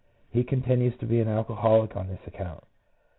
He continues to be an alcoholic on this account.